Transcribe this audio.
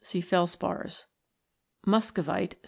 See Felspars. Muscovite.